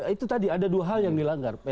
itu tadi ada dua hal yang dilanggar